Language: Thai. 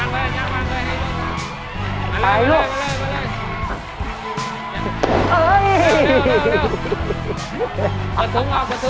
วางไว้อยากวางไว้